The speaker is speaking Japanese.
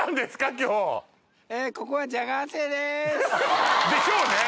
今日。ハハハ！でしょうね。